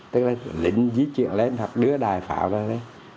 tức là lĩnh di chuyển lên hoặc đưa đài pháo ra lên